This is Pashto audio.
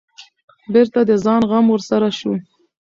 بېرته د ځان غم ورسره شو.